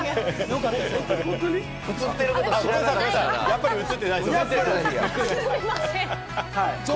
やっぱり映ってないそうです。